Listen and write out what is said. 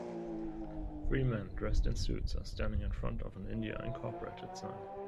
Three men dressed in suits are standing in front of a India Inc. sign.